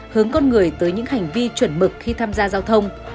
hướng con người tới những hành vi chuẩn mực khi tham gia giao thông